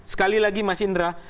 sekali lagi mas indra